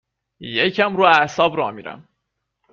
یکم رو اعصاب راه میرم